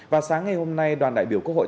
và sáng ngày hôm nay đoàn đại biểu quốc hội